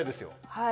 はい。